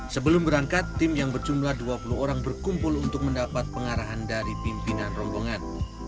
sebelum berangkat tim yang berjumlah dua puluh orang berkumpul untuk mendapat pengarahan dari pimpinan rombongan